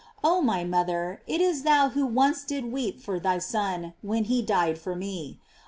Oh my mother, it is thou who once did weep for thy Son when lie died for me.